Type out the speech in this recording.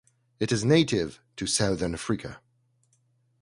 It is native to Southern Africa.